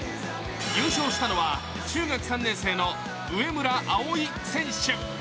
優勝したのは中学３年生の上村葵選手。